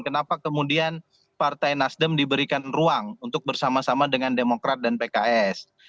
kenapa kemudian partai nasdem diberikan ruang untuk bersama sama dengan demokrat dan pks